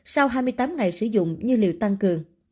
sau hai mươi tám ngày sử dụng như liều tăng cường